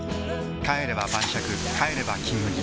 帰れば晩酌帰れば「金麦」